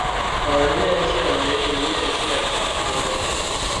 仿人面蟹为人面蟹科仿人面蟹属的动物。